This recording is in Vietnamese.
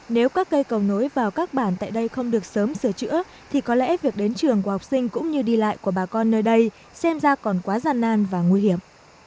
nếu các cây cầu nối vào các bản tại đây không được sớm sửa chữa thì có lẽ việc đến trường của học sinh cũng như đi lại của bà con nơi đây xem ra còn quá gian nan và nguy hiểm